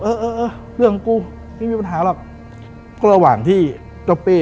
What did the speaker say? เออเออเรื่องกูไม่มีปัญหาหรอกก็ระหว่างที่เจ้าเป้